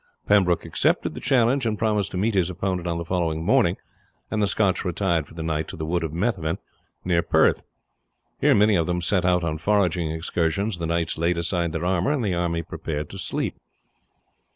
Pembroke accepted the challenge, and promised to meet his opponent on the following morning, and the Scotch retired for the night to the wood of Methven, near Perth. Here many of them set out on foraging excursions, the knights laid aside their armour, and the army prepared for sleep.